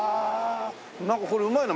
なんかこれうまいの？